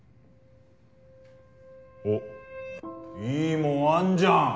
おいいもんあんじゃん！